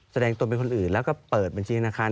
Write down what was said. แสดงตนเป็นคนอื่นแล้วก็เปิดบัญชีธนาคาร